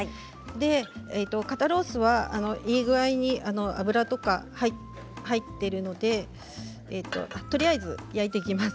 肩ロースはいい具合に脂とかが入っているのでとりあえず焼いていきます。